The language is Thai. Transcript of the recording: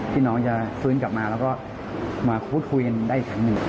ที่น้องจะฟื้นกลับมาแล้วก็มาพูดคุยกันได้อีกครั้งหนึ่ง